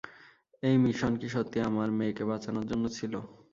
এই মিশন কি সত্যিই আমার মেয়েকে বাঁচানোর জন্য ছিল?